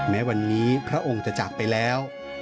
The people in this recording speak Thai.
แม้วันนี้พระองค์จะจากไปแล้ว